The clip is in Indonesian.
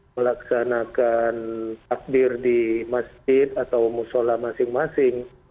melaksanakan takdir di masjid atau musyola masing masing